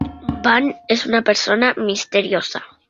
Ban es una persona misteriosa.